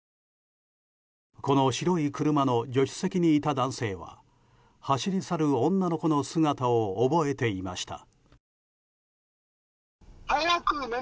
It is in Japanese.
この白い車の助手席にいた男性は走り去る女の子の姿を覚えていました。